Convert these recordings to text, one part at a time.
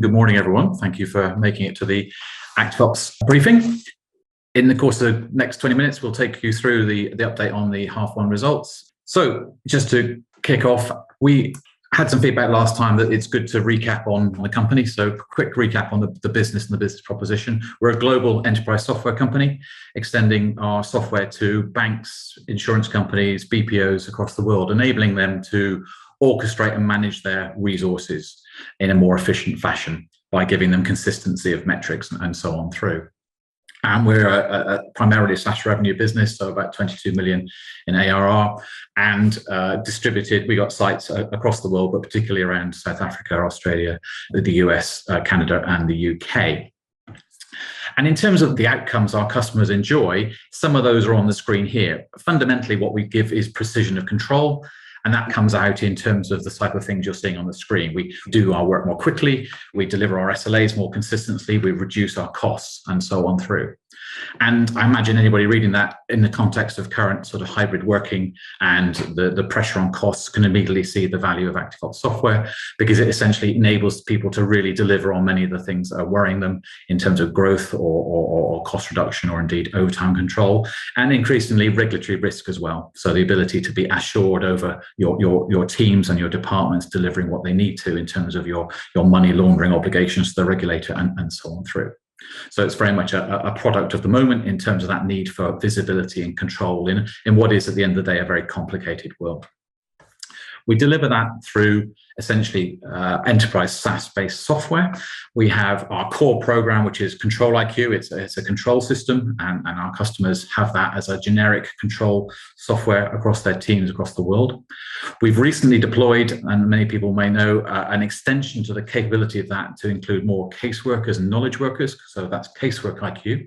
Good morning, everyone. Thank you for making it to the ActiveOps briefing. In the course of the next 20 minutes, we'll take you through the update on the H1 results. Just to kick off, we had some feedback last time that it's good to recap on the company. Quick recap on the business and the business proposition. We're a global enterprise software company, extending our software to banks, insurance companies, BPOs across the world, enabling them to orchestrate and manage their resources in a more efficient fashion by giving them consistency of metrics and so on through. We're a primarily a SaaS revenue business, about 22 million in ARR and distributed. We got sites across the world, but particularly around South Africa, Australia, the U.S., Canada, and the U.K. In terms of the outcomes our customers enjoy, some of those are on the screen here. Fundamentally, what we give is precision of control, and that comes out in terms of the type of things you're seeing on the screen. We do our work more quickly, we deliver our SLAs more consistently, we reduce our costs, and so on through. I imagine anybody reading that in the context of current sort of hybrid working and the pressure on costs, can immediately see the value of ActiveOps software. Because it essentially enables people to really deliver on many of the things that are worrying them in terms of growth or cost reduction, or indeed, overtime control, and increasingly regulatory risk as well. The ability to be assured over your teams and your departments delivering what they need to in terms of your money laundering obligations to the regulator and so on through. It's very much a product of the moment in terms of that need for visibility and control in what is, at the end of the day, a very complicated world. We deliver that through essentially enterprise SaaS-based software. We have our core program, which is ControliQ. It's a control system, and our customers have that as a generic control software across their teams across the world. We've recently deployed, and many people may know, an extension to the capability of that to include more caseworkers and knowledge workers, so that's CaseworkiQ,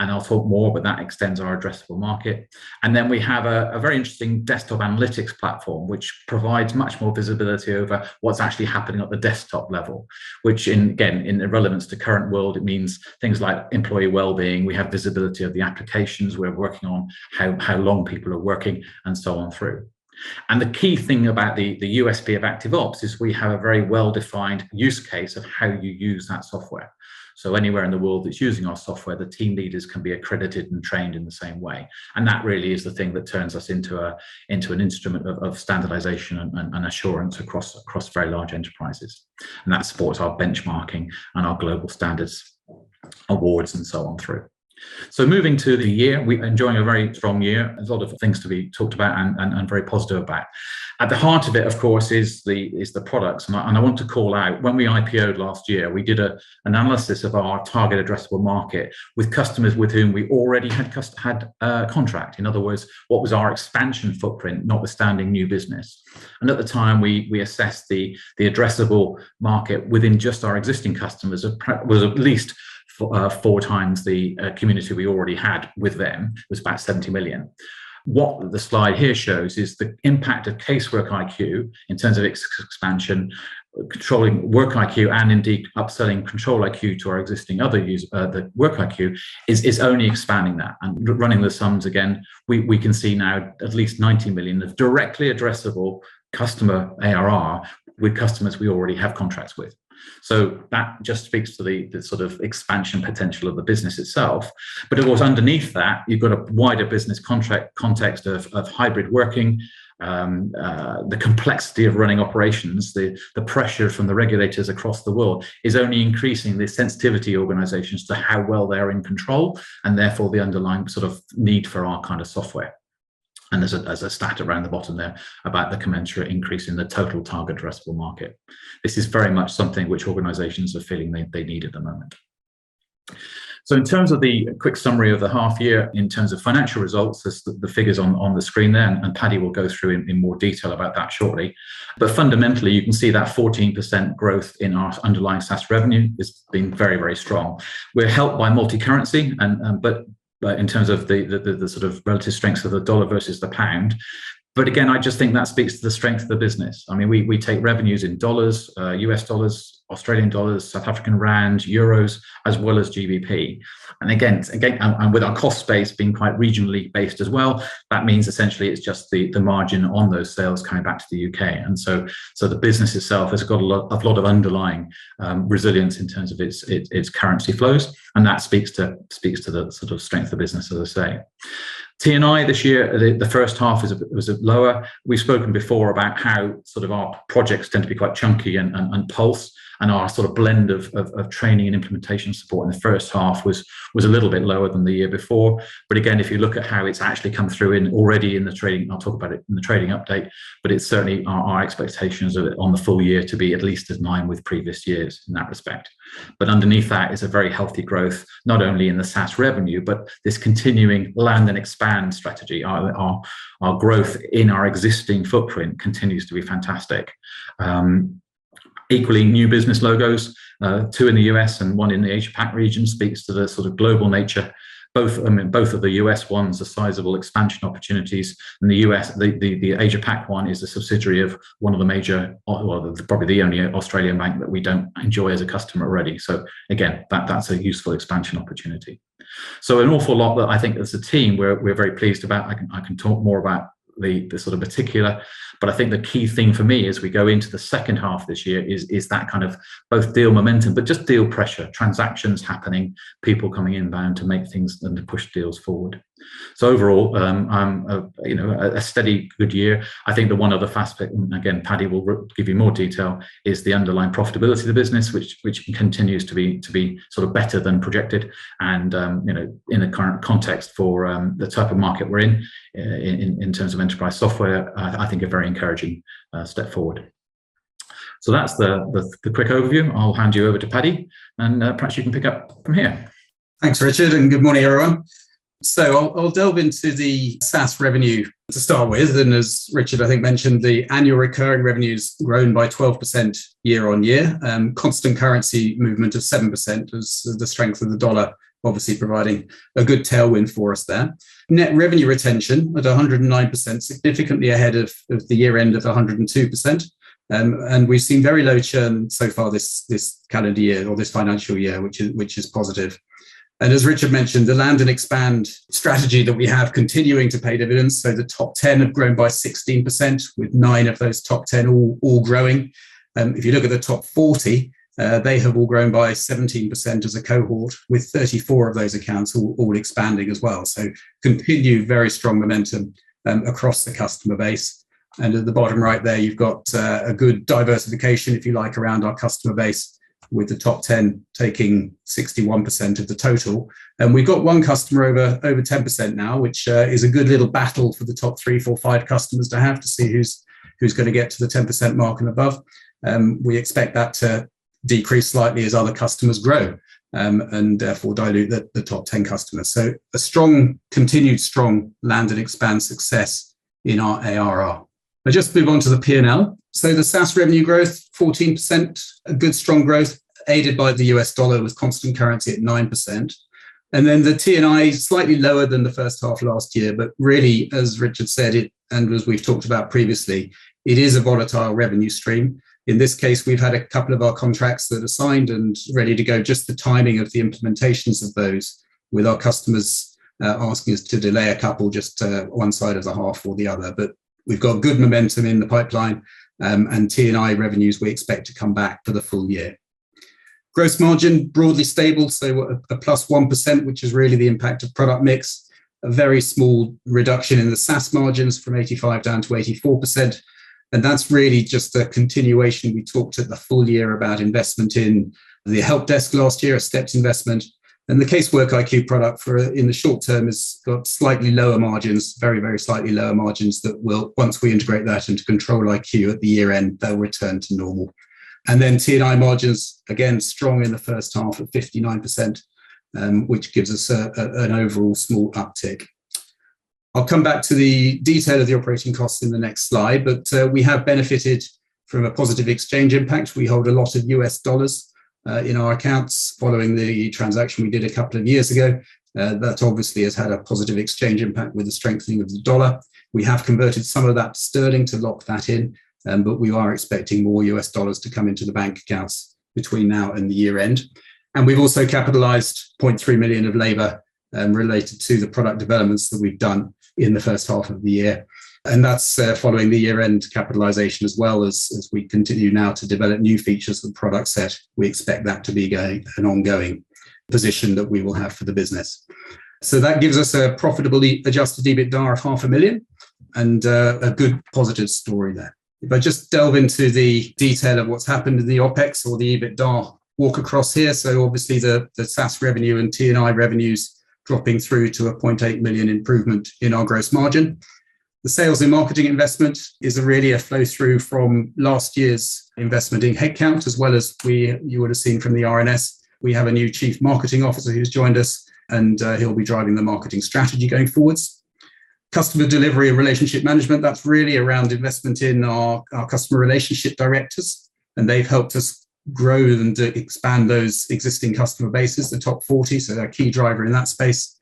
and I'll talk more, but that extends our addressable market. Then we have a very interesting desktop analytics platform, which provides much more visibility over what's actually happening at the desktop level, which again, in relevance to current world, it means things like employee well-being. We have visibility of the applications we're working on, how long people are working, and so on through. The key thing about the USP of ActiveOps is we have a very well-defined use case of how you use that software. Anywhere in the world that's using our software, the team leaders can be accredited and trained in the same way. That really is the thing that turns us into an instrument of standardization and assurance across very large enterprises. That supports our benchmarking and our global standards, awards, and so on through. Moving to the year, we're enjoying a very strong year. There's a lot of things to be talked about and very positive about. At the heart of it, of course, is the products, and I want to call out when we IPO'd last year, we did an analysis of our target addressable market with customers with whom we already had a contract. In other words, what was our expansion footprint, notwithstanding new business? And at the time, we assessed the addressable market within just our existing customers was at least four times the community we already had with them, was about 70 million. What the slide here shows is the impact of CaseworkiQ in terms of expansion, controlling WorkiQ, and indeed upselling ControliQ to our existing other user. The WorkiQ is only expanding that. Running the sums again, we can see now at least 90 million of directly addressable customer ARR with customers we already have contracts with. That just speaks to the sort of expansion potential of the business itself. It was underneath that, you've got a wider business contract context of hybrid working. The complexity of running operations, the pressure from the regulators across the world is only increasing the sensitivity organizations to how well they are in control, and therefore, the underlying sort of need for our kind of software. There's a stat around the bottom there about the commensurate increase in the total target addressable market. This is very much something which organizations are feeling they need at the moment. In terms of the quick summary of the half year, in terms of financial results, as the figures on the screen there, and Paddy will go through in more detail about that shortly. Fundamentally, you can see that 14% growth in our underlying SaaS revenue has been very, very strong. We're helped by multicurrency and, but in terms of the sort of relative strengths of the dollar versus the pound. Again, I just think that speaks to the strength of the business. I mean, we take revenues in dollars, U.S. dollars, Australian dollars, South African rand, Euros, as well as GBP. Again, and with our cost base being quite regionally based as well, that means essentially it's just the margin on those sales coming back to the U.K. The business itself has got a lot of underlying resilience in terms of its currency flows, and that speaks to the sort of strength of business, as I say. T&I this year, the first half was lower. We've spoken before about how sort of our projects tend to be quite chunky and pulsed, and our sort of blend of training and implementation support in the first half was a little bit lower than the year before. Again, if you look at how it's actually come through in already in the trading, I'll talk about it in the trading update, but it's certainly our expectations are on the full year to be at least as in line with previous years in that respect. Underneath that is a very healthy growth, not only in the SaaS revenue, but this continuing land and expand strategy. Our growth in our existing footprint continues to be fantastic. Equally, new business logos, 2 in the U.S. and 1 in the Asia Pac region, speaks to the sort of global nature. Both of the U.S. ones are sizable expansion opportunities, and the U.S., the Asia Pac one is a subsidiary of one of the major, or, well, probably the only Australian bank that we don't enjoy as a customer already. Again, that's a useful expansion opportunity. An awful lot that I think as a team, we're very pleased about. I can talk more about the sort of particular, but I think the key thing for me as we go into the second half this year is that kind of both deal momentum, but just deal pressure, transactions happening, people coming in bound to make things and to push deals forward. Overall, you know, a steady good year. I think the one other fast bit, and again, Paddy will give you more detail, is the underlying profitability of the business, which continues to be sort of better than projected. You know, in the current context for the type of market we're in terms of enterprise software, I think a very encouraging step forward. That's the quick overview. I'll hand you over to Paddy, and perhaps you can pick up from here. Thanks, Richard, good morning, everyone. I'll delve into the SaaS revenue to start with, and as Richard, I think, mentioned, the annual recurring revenue's grown by 12% year-over-year, constant currency movement of 7% as the strength of the dollar, obviously providing a good tailwind for us there. Net revenue retention at 109%, significantly ahead of the year end of 102%. We've seen very low churn so far this calendar year or this financial year, which is positive. As Richard mentioned, the land and expand strategy that we have continuing to pay dividends. The top 10 have grown by 16%, with nine of those top 10 all growing. If you look at the top 40, they have all grown by 17% as a cohort, with 34 of those accounts all expanding as well. Continued very strong momentum across the customer base. At the bottom right there, you've got a good diversification, if you like, around our customer base, with the top 10 taking 61% of the total. We've got one customer over 10% now, which is a good little battle for the top three, four, five customers to have to see who's gonna get to the 10% mark and above. We expect that to decrease slightly as other customers grow and therefore dilute the top 10 customers. A strong, continued strong land and expand success in our ARR. I'll just move on to the P&L. The SaaS revenue growth, 14%, a good strong growth, aided by the U.S. dollar, with constant currency at 9%. The T&I is slightly lower than the first half of last year, but really, as Richard said it, and as we've talked about previously, it is a volatile revenue stream. In this case, we've had a couple of our contracts that are signed and ready to go, just the timing of the implementations of those with our customers, asking us to delay a couple just to one side of the half or the other. We've got good momentum in the pipeline, and T&I revenues we expect to come back for the full year. Gross margin, broadly stable, so a +1%, which is really the impact of product mix, a very small reduction in the SaaS margins from 85% down to 84%. That's really just a continuation. We talked at the full year about investment in the help desk last year, a steps investment, and the CaseworkiQ product for, in the short term, has got slightly lower margins, very slightly lower margins that will, once we integrate that into ControliQ at the year end, they'll return to normal. Then T&I margins, again, strong in the first half of 59%, which gives us an overall small uptick. I'll come back to the detail of the operating costs in the next slide, but we have benefited from a positive exchange impact. We hold a lot of U.S. dollars in our accounts following the transaction we did a couple of years ago. That obviously has had a positive exchange impact with the strengthening of the dollar. We have converted some of that sterling to lock that in. We are expecting more U.S. dollars to come into the bank accounts between now and the year end. We've also capitalized 0.3 million of labor related to the product developments that we've done in the first half of the year, and that's following the year-end capitalization as well as we continue now to develop new features and product set. We expect that to be an ongoing position that we will have for the business. That gives us a profitably adjusted EBITDA of 500,000, and a good positive story there. If I just delve into the detail of what's happened in the OpEx or the EBITDA walk across here. Obviously the SaaS revenue and T&I revenues dropping through to a 0.8 million improvement in our gross margin. The sales and marketing investment is really a flow through from last year's investment in headcount, as well as you would have seen from the RNS, we have a new Chief Marketing Officer who's joined us, and he'll be driving the marketing strategy going forwards. Customer delivery and relationship management, that's really around investment in our Customer Relationship Directors, and they've helped us grow and expand those existing customer bases, the top 40, so a key driver in that space.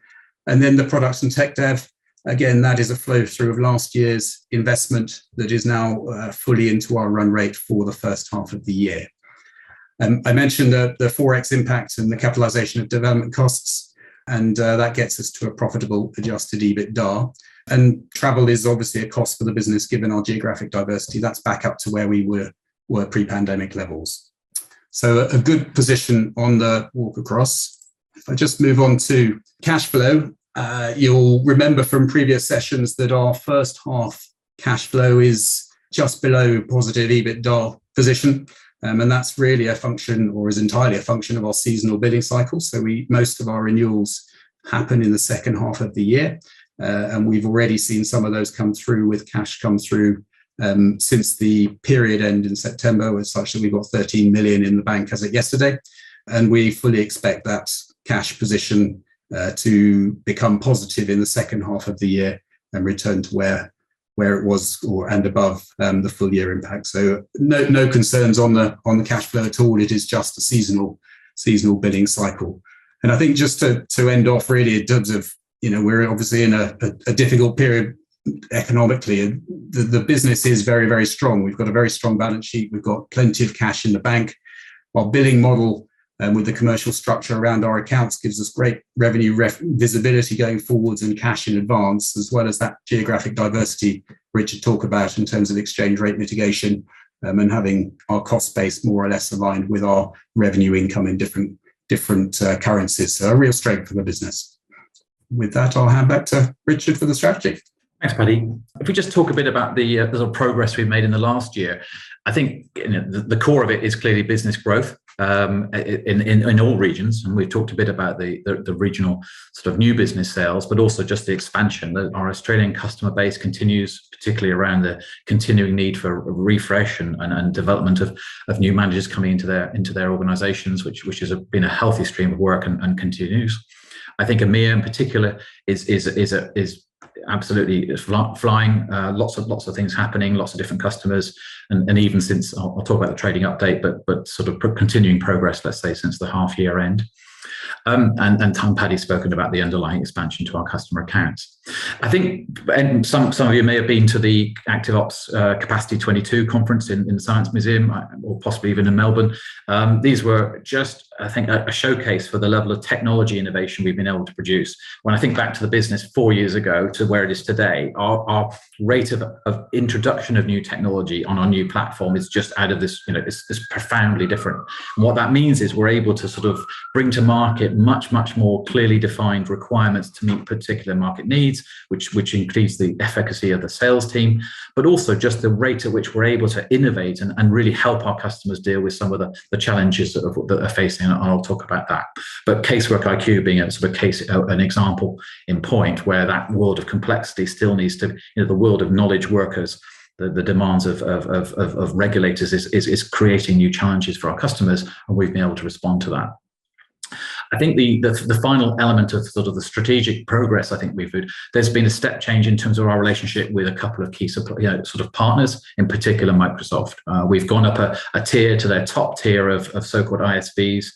The products and tech dev, again, that is a flow through of last year's investment that is now fully into our run rate for the first half of the year. I mentioned the Forex impact and the capitalization of development costs, and that gets us to a profitable adjusted EBITDA. Travel is obviously a cost for the business, given our geographic diversity. That's back up to where we were pre-pandemic levels. A good position on the walk across. If I just move on to cash flow, you'll remember from previous sessions that our first half cash flow is just below positive EBITDA position, and that's really a function or is entirely a function of our seasonal billing cycle. Most of our renewals happen in the second half of the year, and we've already seen some of those come through with cash come through since the period end in September, as such. We've got 13 million in the bank as of yesterday, and we fully expect that cash position to become positive in the second half of the year and return to where it was or, and above, the full year impact. No concerns on the cash flow at all. It is just a seasonal billing cycle. I think just to end off, really, in terms of, you know, we're obviously in a difficult period economically, and the business is very strong. We've got a very strong balance sheet. We've got plenty of cash in the bank. Our billing model, with the commercial structure around our accounts, gives us great revenue visibility going forwards and cash in advance, as well as that geographic diversity Richard talk about in terms of exchange rate mitigation. Having our cost base more or less aligned with our revenue income in different currencies, so a real strength for the business. With that, I'll hand back to Richard for the strategy. Thanks, Paddy. If we just talk a bit about the progress we've made in the last year, I think, you know, the core of it is clearly business growth, in all regions, and we've talked a bit about the regional sort of new business sales, but also just the expansion. Our Australian customer base continues, particularly around the continuing need for refresh and development of new managers coming into their organizations, which has been a healthy stream of work and continues. I think EMEA, in particular, is absolutely fly-flying, lots of things happening, lots of different customers. Even since I'll talk about the trading update, but sort of continuing progress, let's say, since the half year end. Then Paddy spoken about the underlying expansion to our customer accounts. I think, some of you may have been to the ActiveOps Capacity 22 conference in the Science Museum, or possibly even in Melbourne. These were just, I think, a showcase for the level of technology innovation we've been able to produce. When I think back to the business four years ago, to where it is today, our rate of introduction of new technology on our new platform has just added this, you know, this profoundly different. What that means is we're able to sort of bring to market much, much more clearly defined requirements to meet particular market needs, which increases the efficacy of the sales team, but also just the rate at which we're able to innovate and really help our customers deal with some of the challenges that they're facing, and I'll talk about that. CaseworkiQ being an example in point, where that world of complexity still needs to, you know, the world of knowledge workers, the demands of regulators is creating new challenges for our customers, and we've been able to respond to that. I think the final element of sort of the strategic progress, I think we've. There's been a step change in terms of our relationship with a couple of key support, you know, sort of partners, in particular, Microsoft. We've gone up a tier to their top tier of so-called ISVs,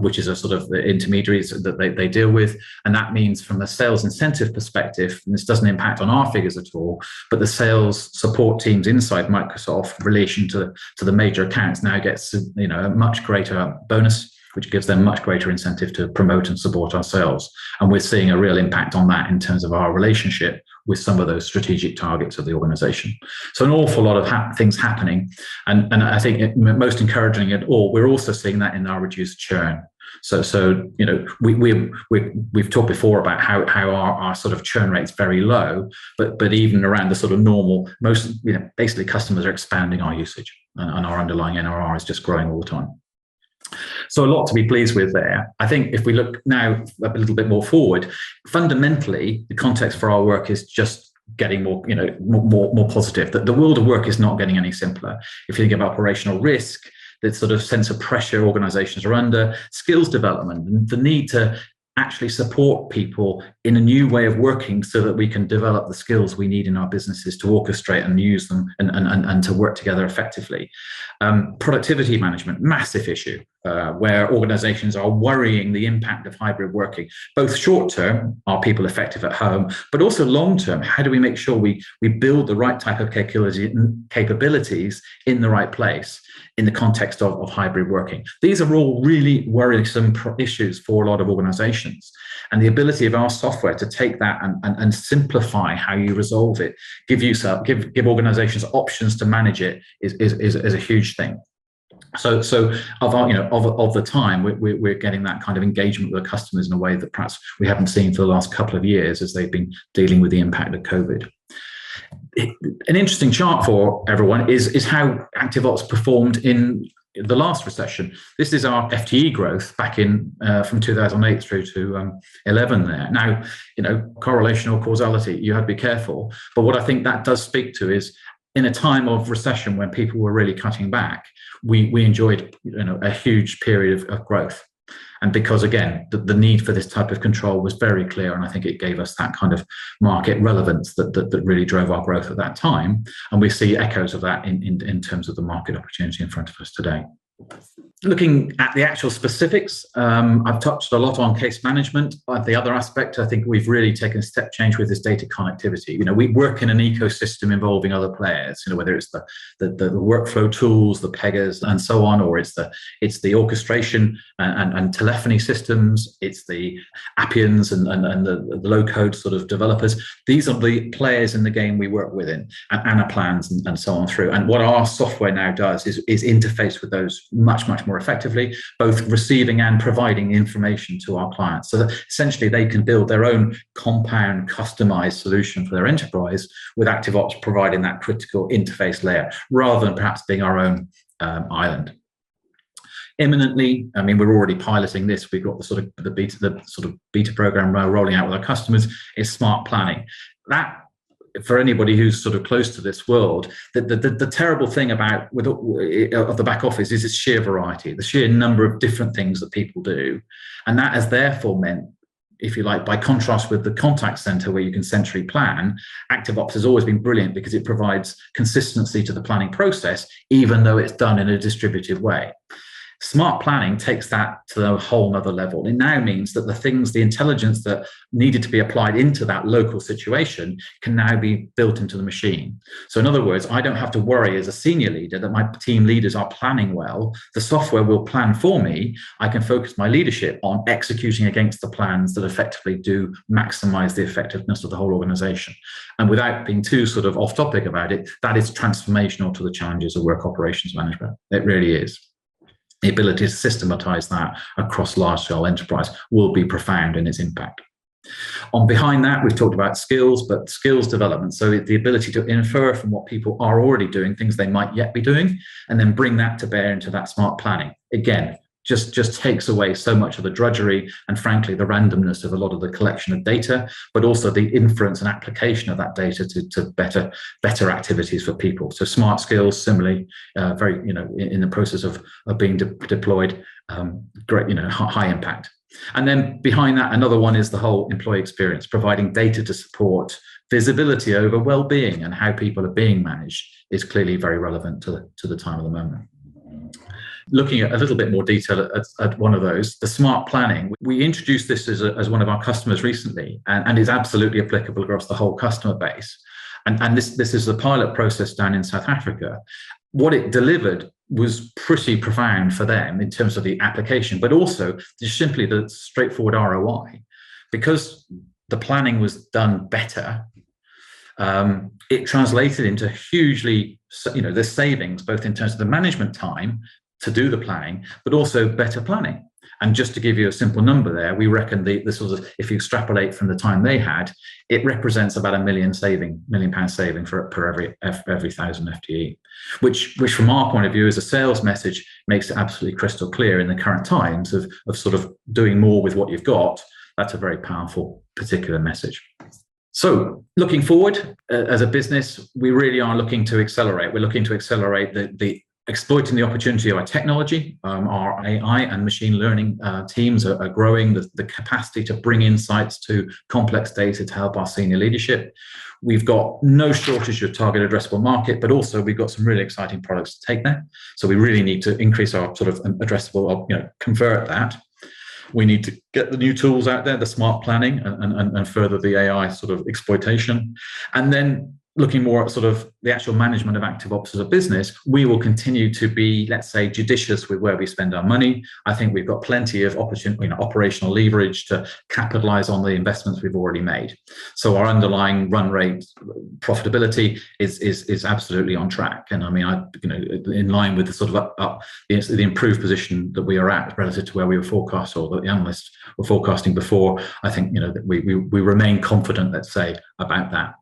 which is a sort of the intermediaries that they deal with. That means from a sales incentive perspective, and this doesn't impact on our figures at all, but the sales support teams inside Microsoft relation to the major accounts now gets a, you know, a much greater bonus, which gives them much greater incentive to promote and support our sales. We're seeing a real impact on that in terms of our relationship with some of those strategic targets of the organization. An awful lot of things happening, and I think it. Most encouraging it all, we're also seeing that in our reduced churn. You know, we've talked before about how our sort of churn rate is very low, but even around the sort of normal, most, you know, basically, customers are expanding our usage, and our underlying NRR is just growing all the time. A lot to be pleased with there. I think if we look now a little bit more forward, fundamentally, the context for our work is just getting more, you know, more positive, that the world of work is not getting any simpler. If you think about operational risk, that sort of sense of pressure organizations are under, skills development, and the need to actually support people in a new way of working so that we can develop the skills we need in our businesses to orchestrate and use them and to work together effectively. Productivity management, massive issue, where organizations are worrying the impact of hybrid working, both short term, are people effective at home? Also long term, how do we make sure we build the right type of capability, capabilities in the right place in the context of hybrid working? These are all really worrisome issues for a lot of organizations, and the ability of our software to take that and simplify how you resolve it, give organizations options to manage it, is a huge thing. Of all, you know, of the time, we're getting that kind of engagement with our customers in a way that perhaps we haven't seen for the last couple of years as they've been dealing with the impact of COVID. An interesting chart for everyone is how ActiveOps performed in the last recession. This is our FTE growth back in from 2008 through to 2011 there. Now, you know, correlational causality, you have to be careful. But what I think that does speak to is, in a time of recession, when people were really cutting back, we enjoyed, you know, a huge period of growth. And because, again, the need for this type of control was very clear, and I think it gave us that kind of market relevance that really drove our growth at that time. And we see echoes of that in terms of the market opportunity in front of us today. Looking at the actual specifics, I've touched a lot on case management, but the other aspect, I think we've really taken a step change with is data connectivity. You know, we work in an ecosystem involving other players, you know, whether it's the workflow tools, the Pega and so on, or it's the orchestration and telephony systems, it's the Appians and the low-code sort of developers. These are the players in the game we work within, and our plans and so on through. What our software now does is interface with those much, much more effectively, both receiving and providing information to our clients, so that essentially they can build their own compound, customized solution for their enterprise, with ActiveOps providing that critical interface layer, rather than perhaps being our own island. Imminently, I mean, we're already piloting this. We've got the sort of beta program we're rolling out with our customers is Smart Planning. That, for anybody who's sort of close to this world, the terrible thing about with of the back office is its sheer variety, the sheer number of different things that people do. That has therefore meant, if you like, by contrast with the contact center, where you can centrally plan, ActiveOps has always been brilliant because it provides consistency to the planning process, even though it's done in a distributive way. Smart Planning takes that to a whole another level. It now means that the things, the intelligence that needed to be applied into that local situation, can now be built into the machine. In other words, I don't have to worry as a senior leader that my team leaders are planning well, the software will plan for me. I can focus my leadership on executing against the plans that effectively do maximize the effectiveness of the whole organization. Without being too sort of off topic about it, that is transformational to the challenges of work operations management. It really is. The ability to systematize that across large scale enterprise will be profound in its impact. Behind that, we've talked about skills, but skills development, so the ability to infer from what people are already doing, things they might yet be doing, and then bring that to bear into that Smart Planning. Again, just takes away so much of the drudgery and frankly, the randomness of a lot of the collection of data, but also the inference and application of that data to better activities for people. Smart Skills, similarly, very, you know, in the process of being deployed, great, you know, high impact. Behind that, another one is the whole employee experience, providing data to support visibility over well-being and how people are being managed is clearly very relevant to the time of the moment. Looking at a little bit more detail at one of those, the Smart Planning. We introduced this as one of our customers recently, and is absolutely applicable across the whole customer base. This is the pilot process down in South Africa. What it delivered was pretty profound for them in terms of the application, but also just simply the straightforward ROI. The planning was done better, it translated into hugely you know, the savings, both in terms of the management time to do the planning, but also better planning. Just to give you a simple number there, we reckon the, this was, if you extrapolate from the time they had, it represents about a 1 million pounds saving for, per every 1,000 FTE. Which from our point of view, as a sales message, makes it absolutely crystal clear in the current times of sort of doing more with what you've got. That's a very powerful particular message. Looking forward, as a business, we really are looking to accelerate. We're looking to accelerate the exploiting the opportunity of our technology, our AI and machine learning teams are growing the capacity to bring insights to complex data to help our senior leadership. We've got no shortage of target addressable market. Also we've got some really exciting products to take there. We really need to increase our sort of addressable, you know, convert that. We need to get the new tools out there, the Smart Planning and further the AI sort of exploitation. Looking more at sort of the actual management of ActiveOps as a business, we will continue to be, let's say, judicious with where we spend our money. I think we've got plenty of, you know, operational leverage to capitalize on the investments we've already made. Our underlying run rate profitability is absolutely on track, and I mean, I, you know, in line with the sort of yes, the improved position that we are at relative to where we were forecast or the analysts were forecasting before. I think, you know, that we remain confident, let's say, about that.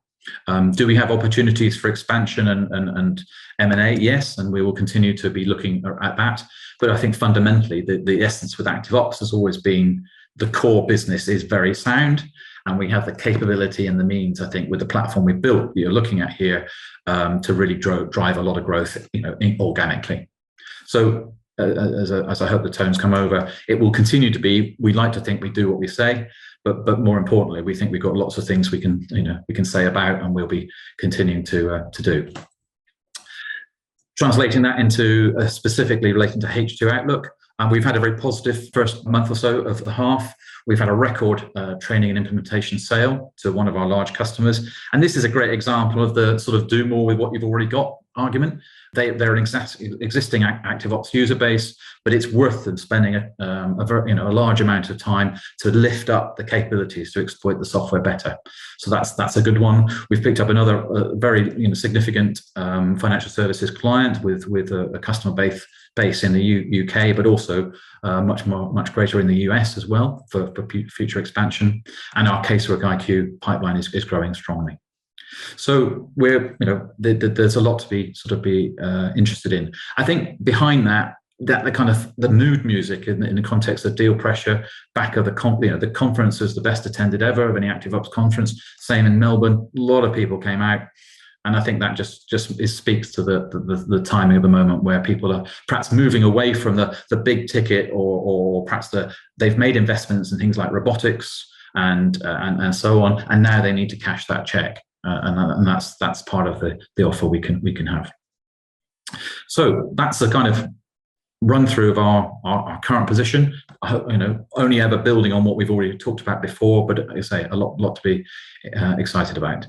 Do we have opportunities for expansion and M&A? Yes, we will continue to be looking at that. I think fundamentally, the essence with ActiveOps has always been the core business is very sound, and we have the capability and the means, I think, with the platform we've built, you're looking at here, to really drive a lot of growth, you know, organically. As I hope the tones come over, it will continue to be. We like to think we do what we say, but more importantly, we think we've got lots of things we can, you know, we can say about and we'll be continuing to do. Translating that into specifically relating to H2 outlook, we've had a very positive first month or so of the half. We've had a record training and implementation sale to one of our large customers, this is a great example of the sort of do more with what you've already got argument. They're an existing ActiveOps user base, it's worth it spending a very, you know, a large amount of time to lift up the capabilities to exploit the software better. That's a good one. We've picked up another, very, you know, significant, financial services client with a customer base in the U.K., but also much more, much greater in the U.S. as well for future expansion. Our CaseworkiQ pipeline is growing strongly. We're, you know, there's a lot to be interested in. I think behind that the kind of the mood music in the context of deal pressure back of the conference was the best attended ever of any ActiveOps conference. Same in Melbourne, a lot of people came out. I think that just speaks to the timing of the moment where people are perhaps moving away from the big ticket or perhaps they've made investments in things like robotics and so on, and now they need to cash that check, and that's part of the offer we can have. That's a kind of run-through of our current position. I hope, you know, only ever building on what we've already talked about before, but as I say, a lot to be excited about.